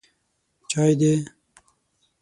_چای دی؟